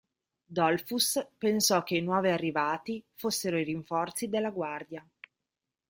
Dollfuss pensò che i nuovi arrivati fossero i rinforzi della guardia.